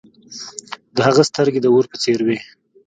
د هغه سترګې د اور په څیر وې.